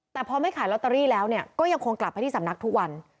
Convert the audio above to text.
แต่พอไม่ขายลอตเตอรี่แล้วก็ยังคงกลับไปที่สำนักทุกวัน